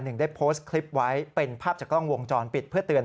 หนึ่งได้โพสต์คลิปไว้เป็นภาพจากกล้องวงจรปิดเพื่อเตือน